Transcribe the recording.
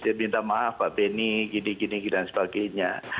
dia minta maaf pak benny gini gini dan sebagainya